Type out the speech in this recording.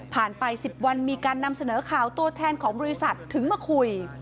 ไป๑๐วันมีการนำเสนอข่าวตัวแทนของบริษัทถึงมาคุย